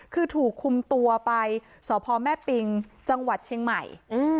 คือถูกคุมตัวไปสพแม่ปิงจังหวัดเชียงใหม่